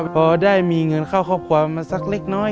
พอได้มีเงินเข้าครอบครัวมาสักเล็กน้อย